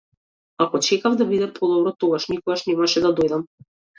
Ако чекав да биде подобро, тогаш никогаш немаше да дојдам.